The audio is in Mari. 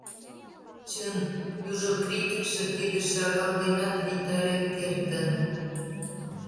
Чын, южо критикше тиде «шагал» денат витарен кертын.